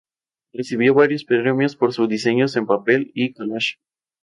Recibió varios premios por sus diseños en papel y collages.